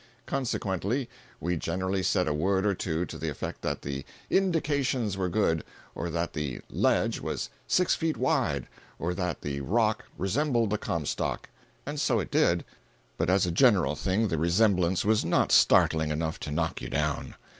Consequently we generally said a word or two to the effect that the "indications" were good, or that the ledge was "six feet wide," or that the rock "resembled the Comstock" (and so it did—but as a general thing the resemblance was not startling enough to knock you down).